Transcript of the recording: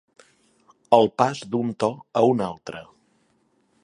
El pas d'un to a un altre.